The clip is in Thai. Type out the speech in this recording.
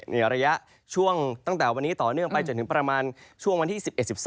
ในระยะช่วงตั้งแต่วันนี้ต่อเนื่องไปจนถึงประมาณช่วงวันที่๑๑๑๒